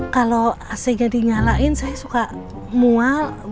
kalau ac nya dinyalain saya suka mual